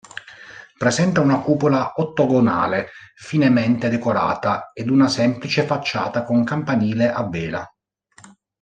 Presenta una cupola ottagonale finemente decorata ed una semplice facciata con campanile a vela.